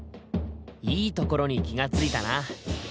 いいところに気が付いたな。